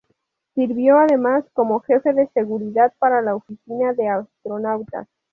Sirvió además como Jefe de Seguridad para la Oficina de Astronautas.